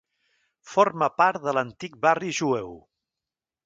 Forma part de l'antic barri jueu.